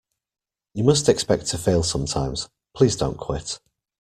You must expect to fail sometimes; please don't quit.